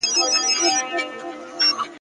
د پولادو په سینو کي !.